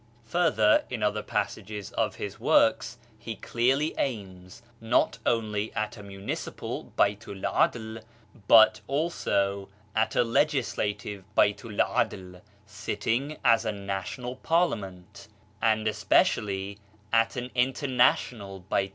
Further, in other passages of his works he clearly aims, not only at a municipal Baltu'I 'Adl, but also at a legislative BaltuVAdl sitting as a national parlia ment, and especially at an international 1 Some Answered Questions, lot cil. ch.